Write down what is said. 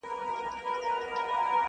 راغزولي دي خیرن لاسونه!.